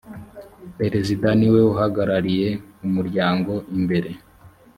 perezida niwe uhagarariye umuryango imbere